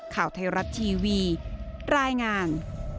ข่าวไทยรัฐทีวีรายงาน